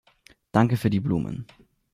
Danke für die Blumen.